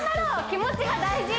気持ちが大事！